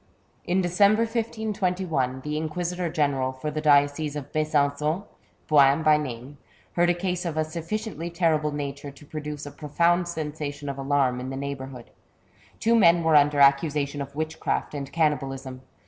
In December, 1521, the Inquisitor General for the diocese of Besan9on, Boin by name, heard a case of a sufficiently terrible nature to produce a profound sensation of alarm in the neighbourhood. Two men were under accusation of witchcraft and cannibalism.